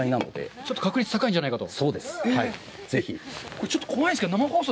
ちょっと確率高いんじゃないかと。